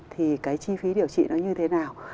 thì cái chi phí điều trị nó như thế nào